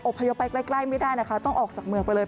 พยพไปใกล้ไม่ได้นะคะต้องออกจากเมืองไปเลย